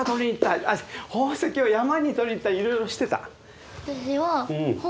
宝石を山に採りに行ったりいろいろしてた。